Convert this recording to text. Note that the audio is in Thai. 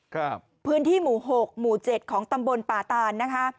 ครับพื้นที่หมู่หกหมู่เจ็ดของตำบลป่าตานนะคะ